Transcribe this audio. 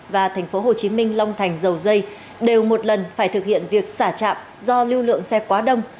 và thành phố hồ chí minh long thành dầu dây đều một lần phải thực hiện việc xả chạm do lưu lượng xe quá đông